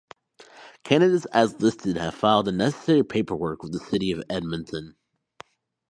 Candidates as listed have filed the necessary paperwork with the City of Edmonton.